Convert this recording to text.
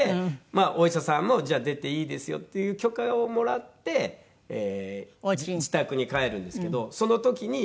お医者さんもじゃあ出ていいですよっていう許可をもらって自宅に帰るんですけどその時に言われました。